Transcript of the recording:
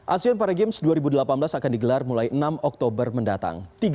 asean paragames dua ribu delapan belas akan digelar mulai enam oktober mendatang